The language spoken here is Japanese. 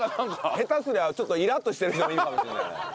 下手すりゃちょっとイラッとしてる人もいるかもしれない。